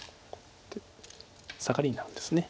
サガリになるんですね。